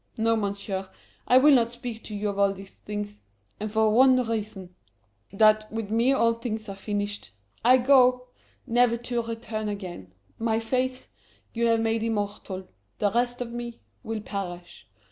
No, Monsieur, I will not speak to you of all these things. And for this reason: That, with me all things are finished. I go, never to return again. My face you have made immortal; the rest of me will perish.